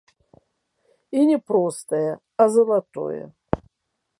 І не простае, а залатое.